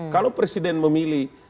kalau presiden memilih